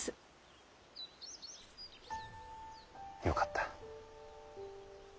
よかった。